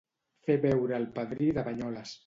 Fer veure el padrí de Banyoles.